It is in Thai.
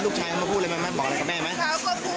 คนผู้ชายเค้าคงจะเจ็บใจอะไรอย่างเงี้ย